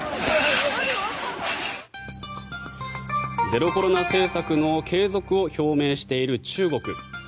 ゼロコロナ政策の継続を表明している中国。